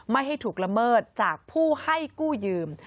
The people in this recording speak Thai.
ไม่ให้ถูกละเมิดจากผู้ให้กู้ยืม